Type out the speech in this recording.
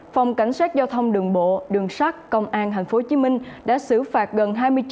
phòng cảnh sát giao thông đường bộ đường sát công an thành phố hồ chí minh đã xử phạt gần